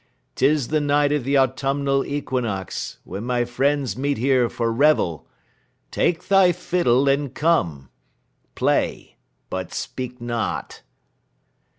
"'Tis the night of the autumnal equinox, when my friends meet here for revel. Take thy fiddle and come. Play, but speak not."